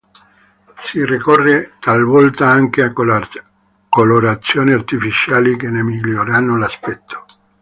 Si ricorre talvolta anche a colorazioni artificiali che ne migliorano l'aspetto.